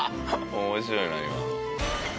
面白いな今の。